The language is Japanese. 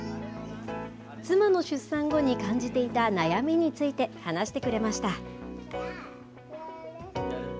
妻の出産後に感じていた悩みについて話してくれました。